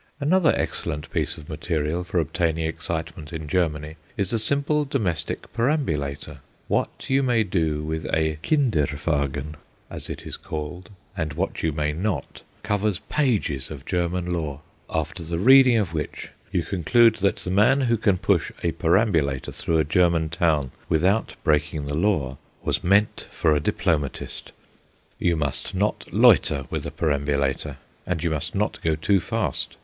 Another excellent piece of material for obtaining excitement in Germany is the simple domestic perambulator. What you may do with a "kinder wagen," as it is called, and what you may not, covers pages of German law; after the reading of which, you conclude that the man who can push a perambulator through a German town without breaking the law was meant for a diplomatist. You must not loiter with a perambulator, and you must not go too fast.